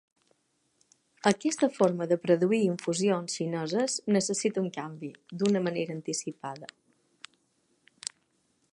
Aquesta forma de produir infusions xineses necessita un canvi, d'una manera anticipada.